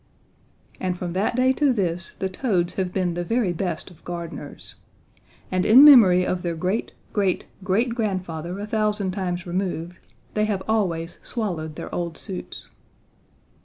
"And from that day to this the toads have been the very best of gardeners. And in memory of their great, great, great grandfather a thousand times removed they have always swallowed their old suits.